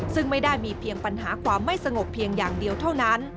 ซึ่งไม่ได้มีเพียงปัญหาความไม่สงบเพียงอย่างเดียวเท่านั้น